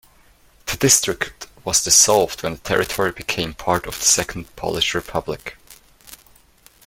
The district was dissolved when the territory became part of the Second Polish Republic.